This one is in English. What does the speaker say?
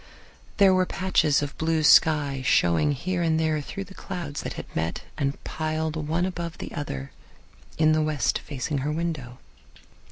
There were patches of blue sky showing here and there through the clouds that had met and piled one above the other in the west facing her window.